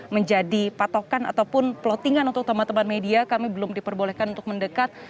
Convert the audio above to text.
menjadi patokan ataupun plottingan untuk teman teman media kami belum diperbolehkan untuk mendekat